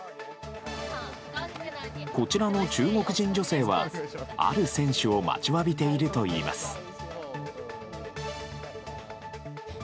こちらの中国人女性はある選手を待ちわびているといいます。